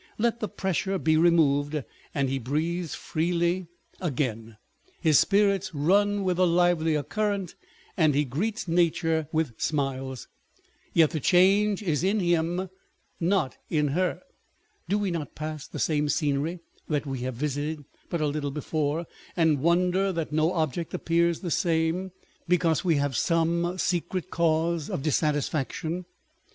Let the pressure be removed, and he breathes freely again ; his spirits run with a livelier current, and he greets nature with smiles ; yet the change is in him, not in her. Do we not pass the same scenery that we have visited but a little before, and wonder that no object appears the same, because we have some secret cause of dissatisfaction